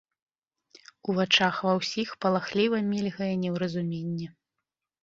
У вачах ва ўсіх палахліва мільгае неўразуменне.